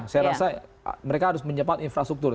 saya rasa mereka harus menyepat infrastruktur